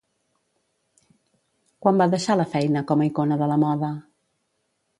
Quan va deixar la feina com a icona de la moda?